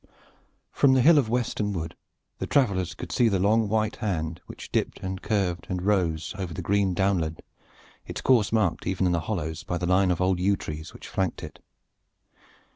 From the hill of Weston Wood the travelers could see the long white band which dipped and curved and rose over the green downland, its course marked even in the hollows by the line of the old yew trees which flanked it.